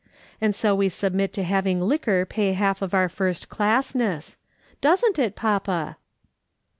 And so we submit to having liquor pay half of our first classness. Doesn't it, papa